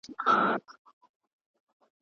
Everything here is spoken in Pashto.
تاسو هم راسره مرسته وکړئ.